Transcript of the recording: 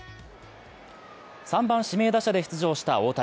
３番・指名打者で出場した大谷。